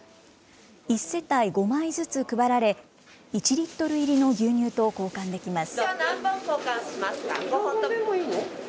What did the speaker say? １世帯５枚ずつ配られ、１リットル入りの牛乳と交換できます。